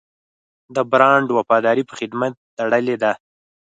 د برانډ وفاداري په خدمت تړلې ده.